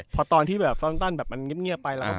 พอตอนที่แบบสั้นแบบมันเงียบไปแล้ว